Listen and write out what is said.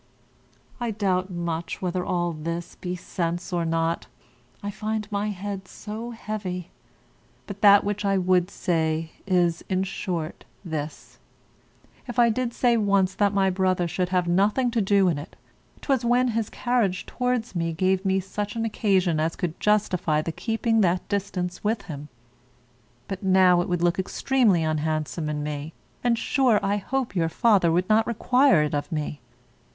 I doubt much whether all this be sense or not; I find my head so heavy. But that which I would say is, in short, this: if I did say once that my brother should have nothing to do in't, 'twas when his carriage towards me gave me such an occasion as could justify the keeping that distance with him; but now it would look extremely unhandsome in me, and, sure, I hope your father would not require it of me.